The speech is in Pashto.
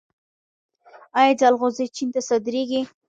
آیا جلغوزي چین ته صادریږي؟